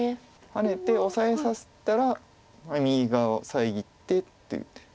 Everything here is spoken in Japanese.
ハネてオサえさせたら右側を遮ってという。